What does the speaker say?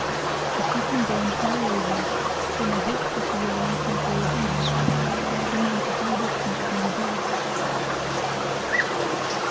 If you can gain her over, you may hope to see your own country again, no matter how distant it may be."